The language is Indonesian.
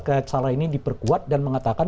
kelayakan sara ini diperkuat dan mengatakan